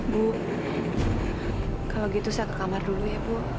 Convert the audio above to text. bu kalau gitu saya ke kamar dulu ya bu